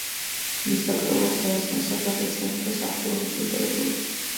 მის დაკრძალვას დაესწრნენ საფრანგეთის მეფე და საღვთო რომის იმპერატორი.